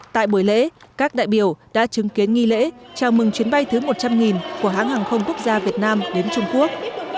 tại buổi lễ các đại biểu đã chứng kiến nghi lễ chào mừng chuyến bay thứ một trăm linh của hãng hàng không quốc gia việt nam đến trung quốc